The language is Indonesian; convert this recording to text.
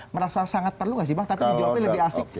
merasa sangat perlu nggak sih bang tapi menjawabnya lebih asik